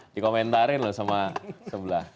dikomentarin loh sama sebelah